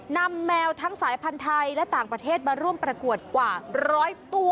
แมวทั้งสายพันธุ์ไทยและต่างประเทศมาร่วมประกวดกว่าร้อยตัว